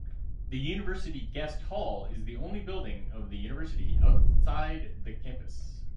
The University Guest Hall is the only building of the university outside the campus.